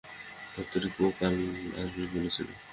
ধ্যাত্তেরি, ও কাল আসবে বলেছিল।